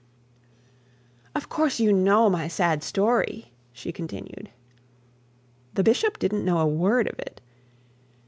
'Of course you know my sad story?' she continued. The bishop didn't know a word of it.